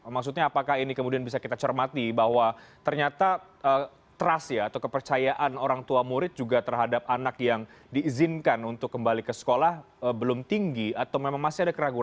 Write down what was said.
maksudnya apakah ini kemudian bisa kita cermati bahwa ternyata trust ya atau kepercayaan orang tua murid juga terhadap anak yang diizinkan untuk kembali ke sekolah belum tinggi atau memang masih ada keraguan